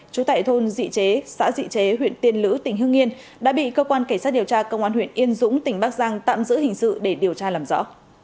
trú tại thôn dị chế xã dị chế huyện tiên lữ tỉnh hương yên đã bị cơ quan cảnh sát điều tra công an huyện yên dũng tỉnh bắc giang tạm giữ hình sự để điều tra làm rõ